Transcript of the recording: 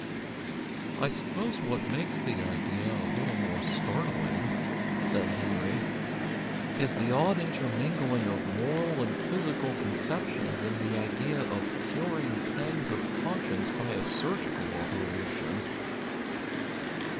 "I suppose what makes the idea a little more startling," said Henry, "is the odd intermingling of moral and physical conceptions in the idea of curing pangs of conscience by a surgical operation."